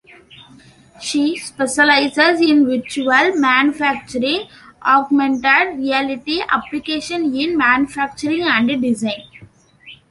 She specializes in virtual manufacturing, augmented reality application in manufacturing and design.